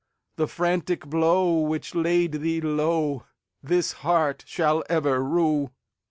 The frantic blow which laid thee lowThis heart shall ever rue."